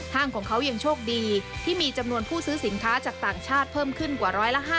ของเขายังโชคดีที่มีจำนวนผู้ซื้อสินค้าจากต่างชาติเพิ่มขึ้นกว่า๑๕๐